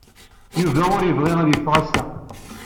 Yuba ur yebɣi ad yeffeɣ ass-a.